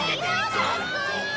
かっこいい！